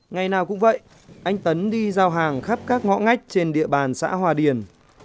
ngày nào cũng vậy anh tấn đi giao hàng khắp các ngõ ngách trên địa bàn xã hòa điền